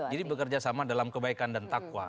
jadi bekerja sama dalam kebaikan dan taqwa